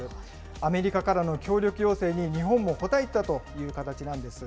アメリカからの協力要請に、日本も応えたという形になるんです。